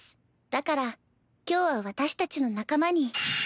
だから今日は私たちの仲間に。